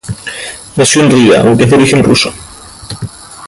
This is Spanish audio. Nació en Riga, aunque es de origen ruso.